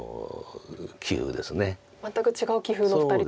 全く違う棋風の２人と。